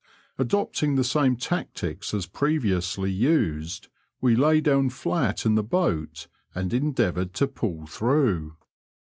Adopting the same tactics as previously used, we lay down flat in the boat and endeavoured to puU through.